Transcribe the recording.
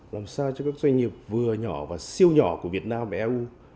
làm sao cho các doanh nghiệp vừa nhỏ và siêu nhỏ của việt nam và eu